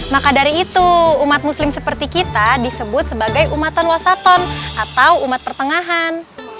maka dari itu umat muslim seperti kita disebut sebagai umatan wasaton atau umat pertengahan